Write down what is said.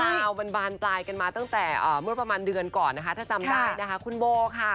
เรื่องราวมันบานตายกันมาตั้งแต่เมื่อประมาณเดือนก่อนนะคะถ้าจำได้นะคะ